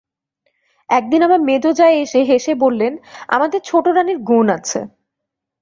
একদিন আমার মেজো জা এসে হেসে বললেন, আমাদের ছোটোরানীর গুণ আছে।